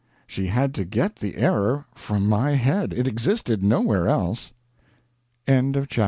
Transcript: She had to get the error from my head it existed nowhere else. CHAPTER XXXV.